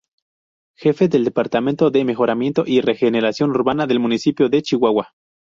Jefe del Departamento de Mejoramiento y Regeneración Urbana del Municipio de Chihuahua.